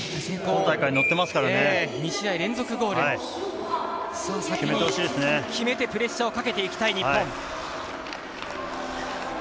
２試合連続ゴール、先に決めてプレッシャーを欠けていきたい日本。